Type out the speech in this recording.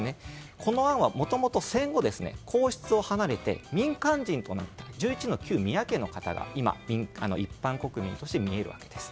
この案は、もともと戦後皇室を離れて民間人となった１１の旧宮家の方が一般国民としておられるわけです。